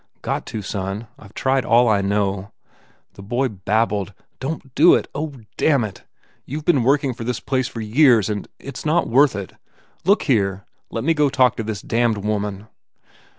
"Got to, son. I ve tried all I know." The boy babbled, "Don t do it! ... Oh, damn it ! You ve been working for this place for 282 THE WALLING years and It s not worth it ! Look here, let me go talk to this damned woman!"